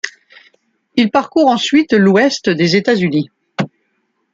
Il parcourt ensuite l'Ouest des États-Unis.